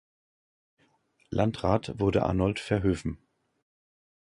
Landrat wurde Arnold Verhoeven.